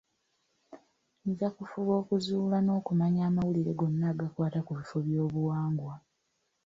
Nja kufuba okuzuula n'okumanya amawulire gonna agakwata ku bifo by'obuwangwa.